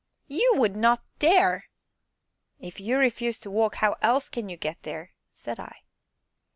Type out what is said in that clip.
"You would not dare!" "If you refuse to walk, how else can you get there?" said I.